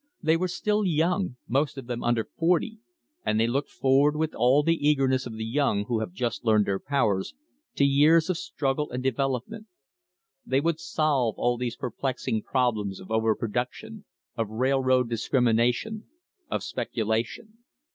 They were still young, most of them under forty, and they looked forward with all the eagerness of the young who have just learned their powers, to years of struggle and develop [3*1 THE BIRTH OF AN INDUSTRY ment. They would solve all these perplexing problems of over production, of railroad discrimination, of speculation.